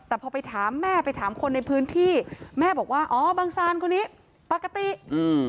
แต่พอไปถามแม่ไปถามคนในพื้นที่แม่บอกว่าอ๋อบังซานคนนี้ปกติอืม